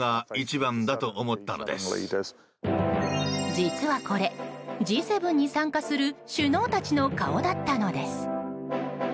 実はこれ、Ｇ７に参加する首脳たちの顔だったのです。